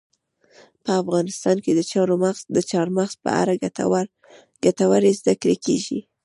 په افغانستان کې د چار مغز په اړه ګټورې زده کړې کېږي.